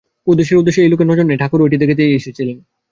উদ্দেশ্যের দিকে লোকের নজর নেই, ঠাকুর ঐটি দেখাতেই এসেছিলেন।